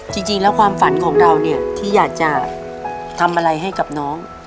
จริงแล้วความฝันของเราเนี่ยที่อยากจะทำอะไรให้กับน้อง